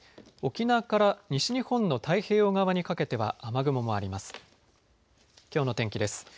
沖縄から西日本の太平洋側にかけては雨雲もあります。